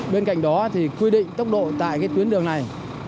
bên cạnh đó quy định tốc độ tại tuyến đường này